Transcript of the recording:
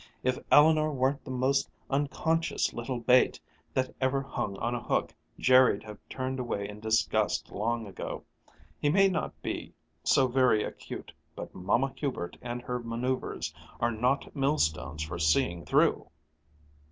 If Eleanor weren't the most unconscious little bait that ever hung on a hook Jerry'd have turned away in disgust long ago. He may not be so very acute, but Mamma Hubert and her manoeuvers are not millstones for seeing through!"